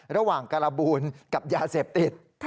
ระหว่างการบูลกับยาเสพติด